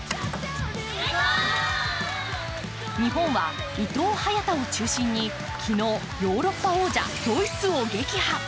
日本は伊藤・早田を中心に昨日、ヨーロッパ王者、ドイツを撃破。